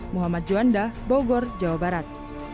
muhammad juanda bogor jawa barat